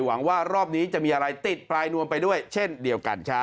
หวังว่ารอบนี้จะมีอะไรติดปลายนวมไปด้วยเช่นเดียวกันครับ